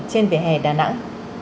trên vỉa hè đà nẵng